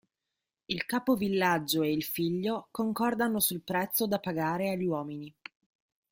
Il capo villaggio e il figlio concordano sul prezzo da pagare agli uomini.